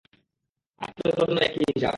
আজকেও তোর জন্য একই হিসাব।